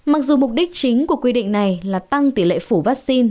mặc dù mục đích chính của quy định này là tăng tỷ lệ phủ vaccine